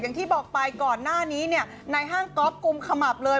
อย่างที่บอกไปก่อนหน้านี้เนี่ยในห้างก๊อฟกุมขมับเลย